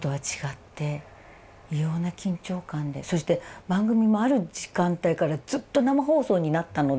そして番組もある時間帯からずっと生放送になったので。